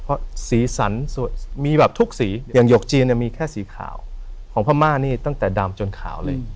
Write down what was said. เพราะสีสันมีแบบทุกสีอย่างหยกจีนเนี่ยมีแค่สีขาวของพม่านี่ตั้งแต่ดำจนขาวเลย